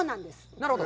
なるほど。